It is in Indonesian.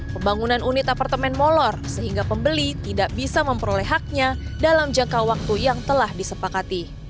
pembangunan unit apartemen molor sehingga pembeli tidak bisa memperoleh haknya dalam jangka waktu yang telah disepakati